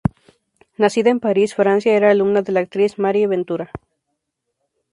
Nacida en París, Francia, era alumna de la actriz Marie Ventura.